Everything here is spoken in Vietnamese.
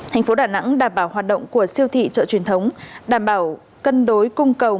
thành phố đà nẵng đảm bảo hoạt động của siêu thị chợ truyền thống đảm bảo cân đối cung cầu